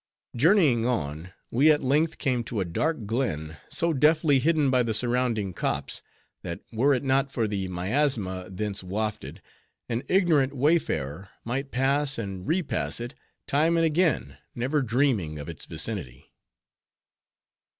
Journeying on, we at length came to a dark glen so deftly hidden by the surrounding copses, that were it not for the miasma thence wafted, an ignorant wayfarer might pass and repass it, time and again, never dreaming of its vicinity.